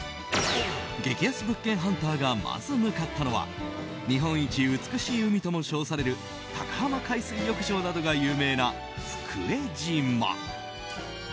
激安物件ハンターがまず向かったのは日本一美しい海とも称される高浜海水浴場などが有名な福江島。